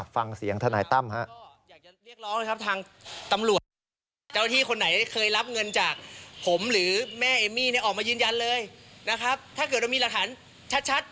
ฟังเสียงทนายต้ำ